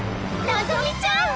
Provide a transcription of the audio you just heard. のぞみちゃん！